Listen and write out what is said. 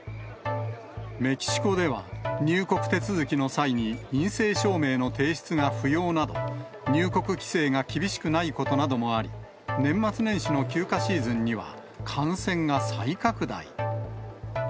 メキシコでは、入国手続きの際に陰性証明の提出が不要など、入国規制が厳しくないことなどもあり、年末年始の休暇シーズンには感染が再拡大。